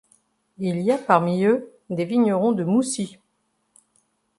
Il y a parmi eux des vignerons de Moussy.